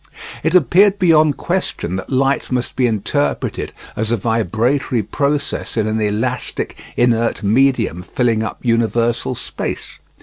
It appeared beyond question that light must be interpreted as a vibratory process in an elastic, inert medium filling up universal space.